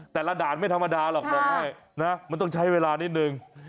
แต่ละด่านไม่ธรรมดาหรอกบอกให้นะมันต้องใช้เวลานิดนึง